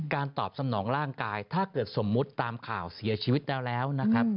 การตอบสำนองร่างกายถ้าเกิดสมมติตามข่าวเสียชีวิตแล้ว